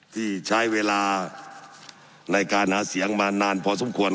ที่ใช้เวลาในการหาเสียงมานานพอสมควร